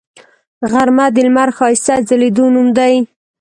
غرمه د لمر ښایسته ځلیدو نوم دی